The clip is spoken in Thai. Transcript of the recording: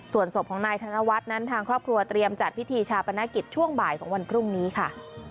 ส่วนศพของนายธนวัฒน์นั้นทางครอบครัวเตรียมจัดพิธีชาปนกิจช่วงบ่ายของวันพรุ่งนี้ค่ะ